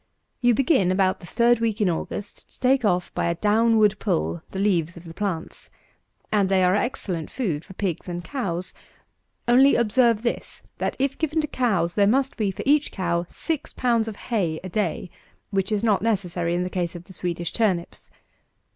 You begin, about the third week in August, to take off by a downward pull, the leaves of the plants; and they are excellent food for pigs and cows; only observe this, that, if given to cows, there must be, for each cow, six pounds of hay a day, which is not necessary in the case of the Swedish turnips.